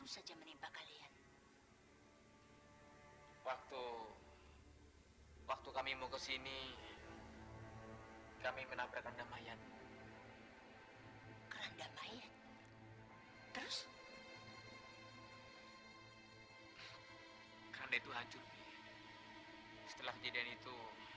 sampai jumpa di video selanjutnya